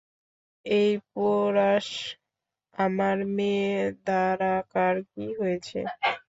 এই পোরাস, আমার মেয়ে দারাকার কী হয়েছে?